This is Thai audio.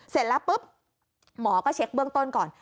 เสร็จแล้วปุ๊บหมอก็เช็คเบื้องต้นก่อน